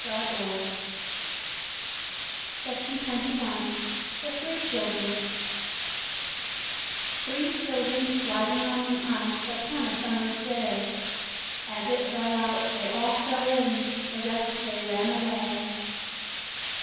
CHILDREN'S FAVORITE POEMS THE THREE CHILDREN Three children sliding on the ice Upon a summer's day, As it fell out they all fell in, The rest they ran away.